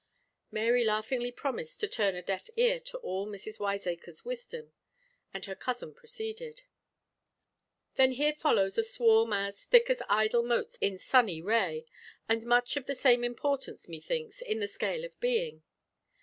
Mary laughingly promised to turn a deaf ear to all Mrs. Wiseacre's wisdom; and her cousin proceeded: "Then here follows a swarm as, thick as idle motes in sunny ray,' and much of the same importance, methinks, in the scale of being.